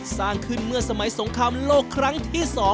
สร้างขึ้นเมื่อสมัยสงครามโลกครั้งที่๒